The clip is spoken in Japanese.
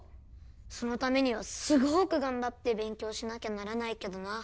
そのためにはすごく頑張って勉強しなきゃならないけどな